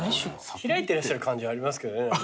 開いてらっしゃる感じはありますけどね。